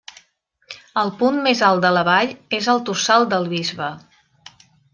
El punt més alt de la vall és el Tossal del Bisbe.